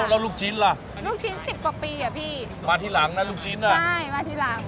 แล้วลูกชิ้นล่ะลูกชิ้นสิบกว่าปีอ่ะพี่มาทีหลังนะลูกชิ้นอ่ะใช่มาทีหลัง